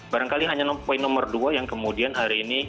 barangkali hanya poin nomor dua yang kemudian hari ini